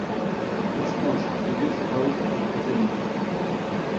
Ну что ж, придется повысить напряжение.